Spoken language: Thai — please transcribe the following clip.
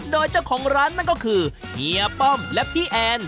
โดยเจ้าของร้านนั่นก็คือเฮียป้อมและพี่แอน